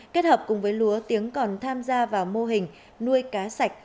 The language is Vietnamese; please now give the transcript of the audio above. kết hợp cùng với lúa tiếng còn tham gia vào mô hình nuôi cá sạch